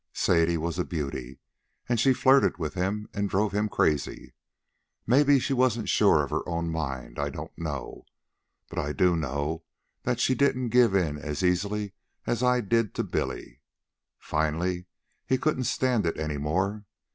"Sadie was a beauty, and she flirted with him and drove him crazy. Maybe she wasn't sure of her own mind, I don't know. But I do know that she didn't give in as easy as I did to Billy. Finally, he couldn't stand it any more.